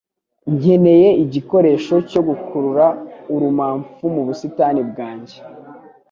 Nkeneye igikoresho cyo gukurura urumamfu mu busitani bwanjye